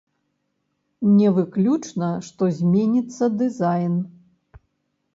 Не выключана, што зменіцца дызайн.